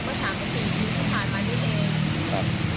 เมื่อ๓๔ชีวิตที่ผ่านมานี้เอง